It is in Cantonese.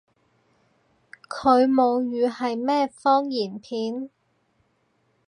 佢母語係咩方言片？